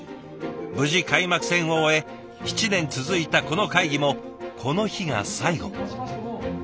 無事開幕戦を終え７年続いたこの会議もこの日が最後。